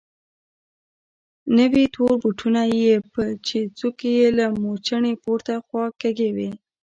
نوي تور بوټونه يې چې څوکې يې لکه موچڼې پورته خوا کږې وې.